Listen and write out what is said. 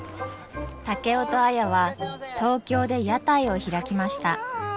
竹雄と綾は東京で屋台を開きました。